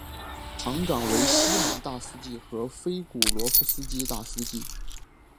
堂长为西蒙大司祭和菲古罗夫斯基大司祭。